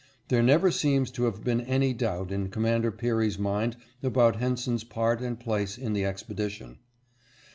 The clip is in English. There never seems to have been any doubt in Commander Peary's mind about Henson's part and place in the expedition.